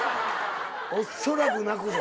おそらく泣くぞ。